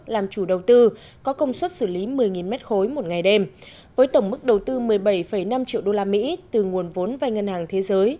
làm chủ đầu tư có công suất xử lý một mươi m ba một ngày đêm với tổng mức đầu tư một mươi bảy năm triệu usd từ nguồn vốn vai ngân hàng thế giới